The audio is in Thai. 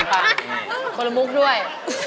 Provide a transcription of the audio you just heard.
ไม่เจ็บขนมุกด้วย